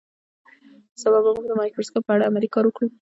سبا به موږ د مایکروسکوپ په اړه عملي کار وکړو